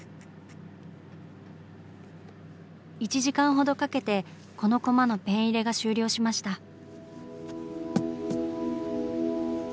１時間ほどかけてこのコマのペン入れが終了しました。